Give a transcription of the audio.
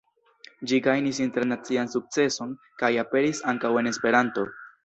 Ĝi gajnis internacian sukceson kaj aperis ankaŭ en Esperanto.